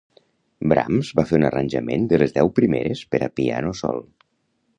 Brahms va fer un arranjament de les deu primeres per a piano sol.